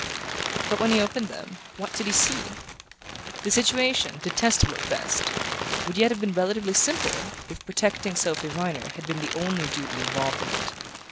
But when he opened them, what did he see? The situation, detestable at best, would yet have been relatively simple if protecting Sophy Viner had been the only duty involved in it.